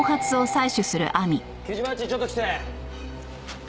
木島っちちょっと来て。